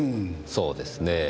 そうですねぇ。